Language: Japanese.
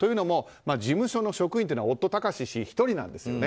事務所の職員というのは夫・貴志氏１人なんですよね。